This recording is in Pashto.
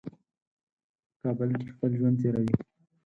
په کابل کې خپل ژوند تېروي.